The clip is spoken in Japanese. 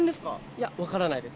いや、分からないです。